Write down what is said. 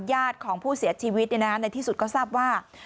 ญาติของผู้เสียชีวิตในที่สุดก็ทราบว่า